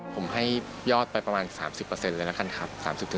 ผมให้ยอดไปประมาณ๓๐๔๐เลยนะครับ